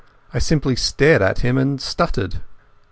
I simply stared at him and stuttered.